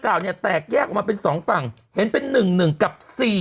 กล่าวเนี่ยแตกแยกมาเป็นสองฝั่งนเป็น๑๑กับ๔๗๗